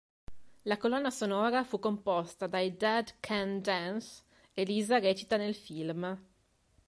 La colonna sonora fu composta dai Dead Can Dance e Lisa recita nel film.